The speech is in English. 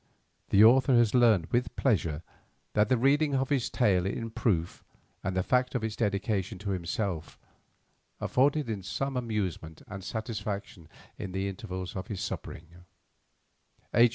The author has learned with pleasure that the reading of this tale in proof and the fact of its dedication to himself afforded him some amusement and satisfaction in the intervals of his sufferings. H.